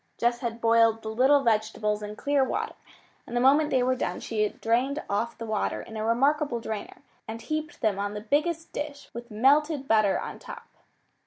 Jess had boiled the little vegetables in clear water, and the moment they were done she had drained off the water in a remarkable drainer, and heaped them on the biggest dish with melted butter on top.